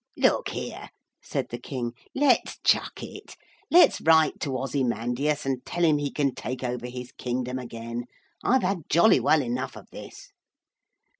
'Look here,' said the King, 'let's chuck it. Let's write to Ozymandias and tell him he can take over his kingdom again. I've had jolly well enough of this.'